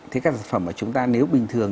thì các sản phẩm mà chúng ta nếu bình thường